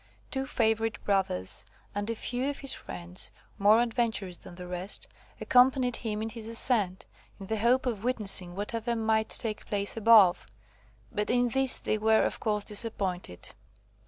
Two favourite brothers, and a few of his friends, more adventurous than the rest, accompanied him in his ascent, in the hope of witnessing whatever might take place above; but in this they were, of course, disappointed.